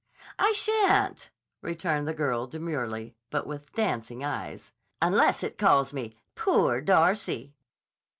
"I shan't," returned the girl demurely, but with dancing eyes, "unless it calls me 'Poor Darcy.